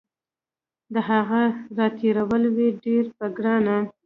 د هغه راتېرول وي ډیر په ګرانه